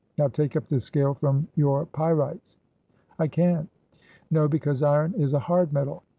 Now take up this scale from your pyrites?" "I can't." "No, because iron is a hard metal.